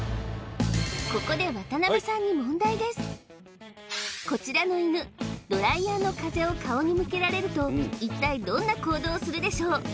ここでこちらの犬ドライヤーの風を顔に向けられると一体どんな行動をするでしょう？